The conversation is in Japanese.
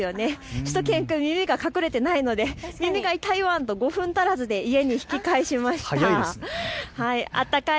しゅと犬くん、耳が隠れてないので耳が痛いワンと、５分足らずで家に引き返しました。